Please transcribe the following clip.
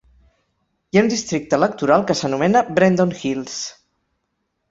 Hi ha un districte electoral que s'anomena "Brendon Hills".